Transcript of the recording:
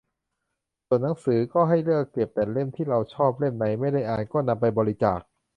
ส่วนหนังสือก็ให้เลือกเก็บแต่เล่มที่เราชอบ เล่มไหนไม่ได้อ่านก็ให้นำไปบริจาค